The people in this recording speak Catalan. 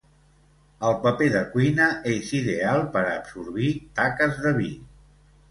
El paper de cuina és ideal per a absorbir taques de vi.